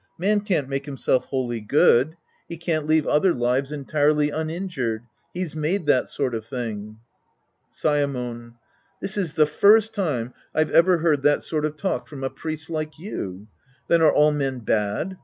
Man can't make himself wholly good. He can't leave other lives entirely uninjured.' He's made that sort of thing. Saemon. This is the first time I've ever heard that sort of talk from a priest like you. Then are all men bad ?